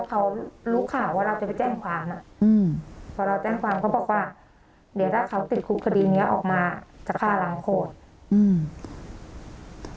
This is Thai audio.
เขารู้ข่าวว่าเราจะไปแจ้งความอ่ะอืมพอเราแจ้งความเขาบอกว่าเดี๋ยวถ้าเขาติดคุกคดีเนี้ยออกมาจะฆ่าล้างโคตรอืม